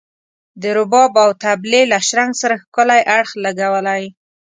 د رباب او طبلي له شرنګ سره ښکلی اړخ لګولی.